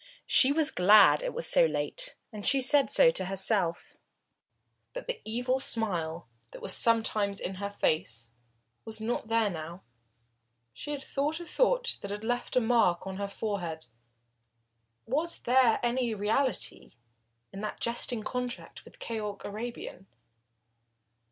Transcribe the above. She was glad it was so late, and she said so to herself, but the evil smile that was sometimes in her face was not there now. She had thought a thought that left a mark on her forehead. Was there any reality in that jesting contract with Keyork Arabian?